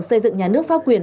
xây dựng nhà nước pháp quyền